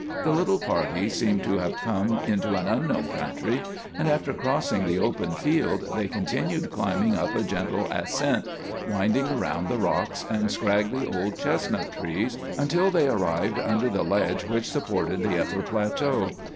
The little party seemed to have come into an unknown country, and after crossing the open field they continued climbing up a gentle ascent, winding around rocks and scraggly old chestnut trees, until they arrived under the ledge which supported the upper plateau.